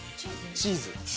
チーズ！？